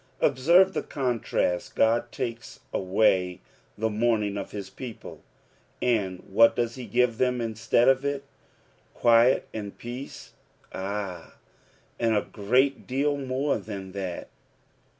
Observe the contrast, God takes away the mourning of his people; and nhat does he give them instead of it I Quiet and peace) Ay, and a great deal more tlian that.